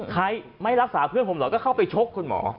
ไม่รักษาเพื่อนผมเหรอก็เข้าไปชกคุณหมอ